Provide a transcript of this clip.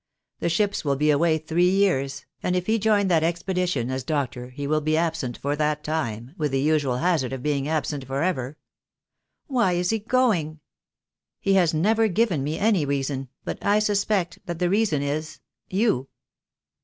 The ships will be away three years, and if he join that expedition as doctor he will be absent for that time, with the usual hazard of being absent for ever." "Why is he going?" THE DAY WILL COME. 20J "He has never given me any reason, but I suspect that the reason is you."